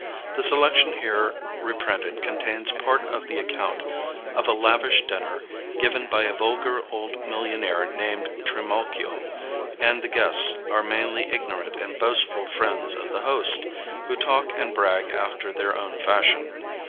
The selection here reprinted contains part of the account of a lavish dinner given by a vulgar old millionaire named Trimalchio, and the guests are mainly ignorant and boastful friends of the host, who talk and brag after their own fashion.